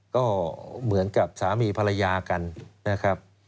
ก็เหมือนกับสามีภรรยากันนะครับ